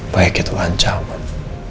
baik itu ancaman